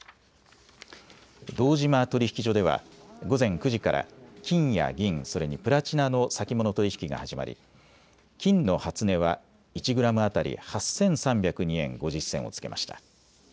堂島取引所では午前９時から金や銀、それにプラチナの先物取引が始まり金の初値は１グラム当たり８３０２円５０銭をつけました。